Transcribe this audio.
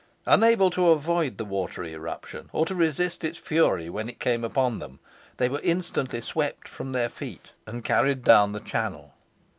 Unable to avoid the watery eruption, or to resist its fury when it came upon them, they were instantly swept from their feet, and carried down the channel.